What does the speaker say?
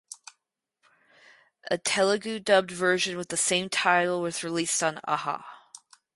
A Telugu dubbed version with same title was released on Aha.